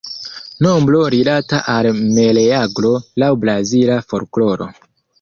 Nombro rilata al Meleagro laŭ Brazila folkloro.